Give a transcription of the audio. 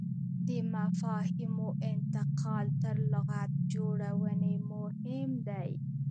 د مفاهیمو انتقال تر لغت جوړونې مهم دی.